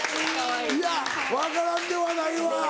いや分からんではないわ。